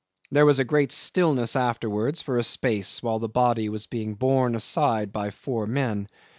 There was a great stillness afterwards for a space, while the body was being borne aside by four men.